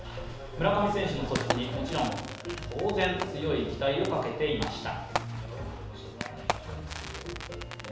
村上選手の素質にもちろん当然強い期待をかけていました。